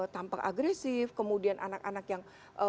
tampak agresif kemudian anak anak yang